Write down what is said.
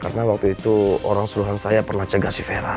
karena waktu itu orang suruhan saya pernah cega si vera